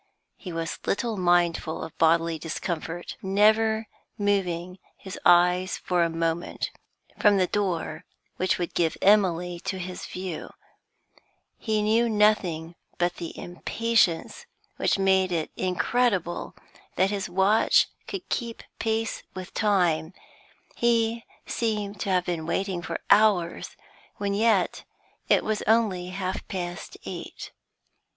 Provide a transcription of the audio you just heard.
He was little mindful of bodily discomfort; never moving his eyes for a moment from the door which would give Emily to his view, he knew nothing but the impatience which made it incredible that his watch could keep pace with time; he seemed to have been waiting for hours when yet it was only half past eight.